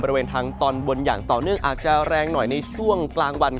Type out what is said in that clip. บริเวณทางตอนบนอย่างต่อเนื่องอาจจะแรงหน่อยในช่วงกลางวัน